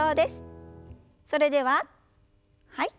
それでははい。